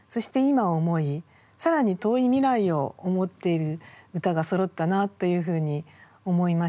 更に遠い未来を思っている歌がそろったなというふうに思いました。